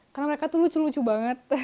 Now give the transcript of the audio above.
karena mereka tuh lucu lucu banget